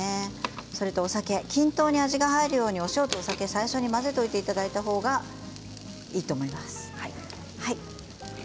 均等に味が入るようにお塩とお酒を先に混ぜておいていただいたほうがいいと思います。